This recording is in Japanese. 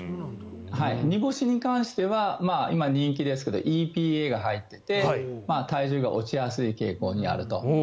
煮干しに関しては今、人気ですけどＥＰＡが入っていて体重が落ちやすい傾向にあると。